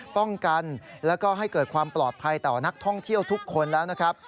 ป้องกันแล้วก็ให้เกิดความปลอดภัยต่อนักท่องเที่ยวทุกคนแล้วนะครับ